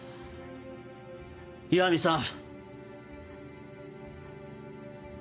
石見さん。